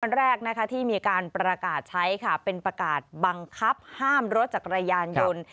แรกนะคะที่มีการประกาศใช้ค่ะเป็นประกาศบังคับห้ามรถจักรยานยนต์